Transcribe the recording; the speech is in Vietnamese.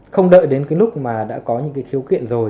không đợi đến cái lúc mà đã có những cái khiếu kiện rồi